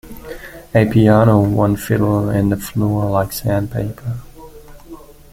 A piano, one fiddle, and a floor like sandpaper.